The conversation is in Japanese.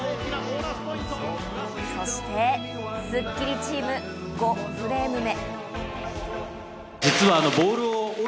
そしてスッキリチーム、５フレーム目。